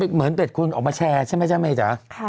เหมือนเป็นคนออกมาแชร์ใช่ไหมจ๊ะเมจ๊ะ